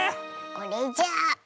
これじゃ。